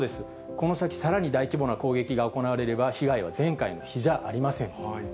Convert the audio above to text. この先、さらに大規模な攻撃が行われれば、被害は前回の比じゃありません。